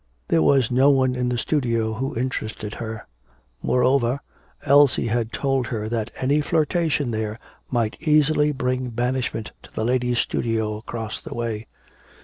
There was no one in the studio who interested her; moreover, Elsie had told her that any flirtation there might easily bring banishment to the ladies' studio across the way.